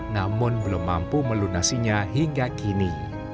namun belum mampu melunasinya hingga kini